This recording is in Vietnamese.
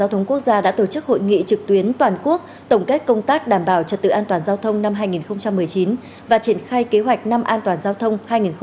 sáu thông quốc gia đã tổ chức hội nghị trực tuyến toàn quốc tổng kết công tác đảm bảo trật tự an toàn giao thông năm hai nghìn một mươi chín và triển khai kế hoạch năm an toàn giao thông hai nghìn hai mươi